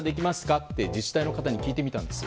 って自治体の方に聞いてみたんです。